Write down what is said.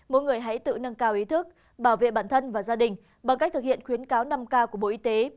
mỗi người hãy tự nâng cao ý thức bảo vệ bản thân và gia đình bằng cách thực hiện khuyến cáo năm k của bộ y tế